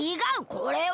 これは。